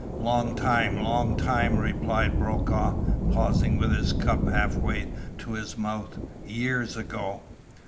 "Long time, long time," replied Brokaw, pausing with his cup half way to his mouth. "Years ago."